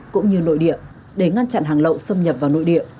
cũng như nội địa để ngăn chặn hàng lậu xâm nhập vào nội địa